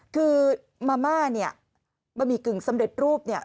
คือมาม่าเนี่ยบะหมี่กึ่งสำเร็จรูปเนี่ย